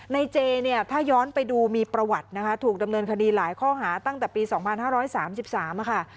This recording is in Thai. ในเจเนี่ยถ้าย้อนไปดูมีประวัตินะคะถูกดำเนินคดีหลายข้อหาตั้งแต่ปีสองพันห้าร้อยสามสิบสามอ่ะค่ะ